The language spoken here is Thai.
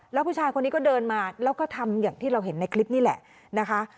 แล้วผู้ชายคนนี้ก็เดินมาแล้วก็ทำอย่างที่เราเห็นในคลิปนี่แหละนะคะ